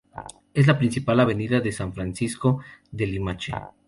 Es la principal avenida de San Francisco de Limache.